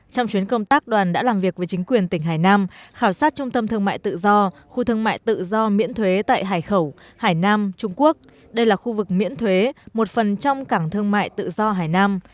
trong chuyến công tác đoàn đã làm việc với chính quyền tỉnh hải nam khảo sát trung tâm thương mại tự do khu thương mại tự do miễn thuế tại hải khẩu hải nam trung quốc đây là khu vực miễn thuế một phần trong cảng thương mại tự do hải nam